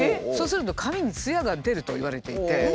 そうすると髪にツヤが出るといわれていて。